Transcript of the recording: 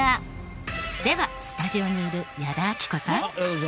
ではスタジオにいる矢田亜希子さん